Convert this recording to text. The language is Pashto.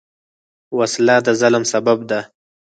وسله د ظلم سبب ده